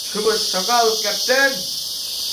শুভ সকাল, ক্যাপ্টেন।